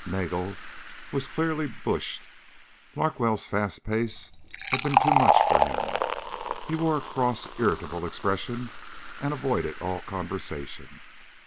Nagel was clearly bushed. Larkwell's fast pace had been too much for him. He wore a cross, irritable expression and avoided all conversation.